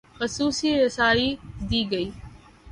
خصوصی رسائی دی گئی